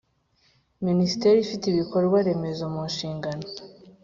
Minisiteri ifite ibikorwa remezo mu nshingan